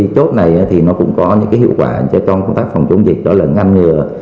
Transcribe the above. chốt này thì nó cũng có những hiệu quả cho công tác phòng chống dịch đó là ngăn ngừa